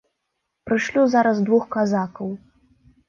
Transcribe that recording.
Прышлю зараз двух казакаў.